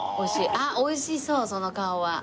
あっおいしそうその顔は。